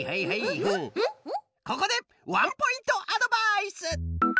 ここでワンポイントアドバイス！